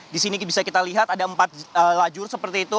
di sini bisa kita lihat ada empat lajur seperti itu